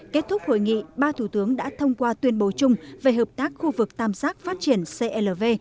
kết thúc hội nghị ba thủ tướng đã thông qua tuyên bố chung về hợp tác khu vực tam giác phát triển clv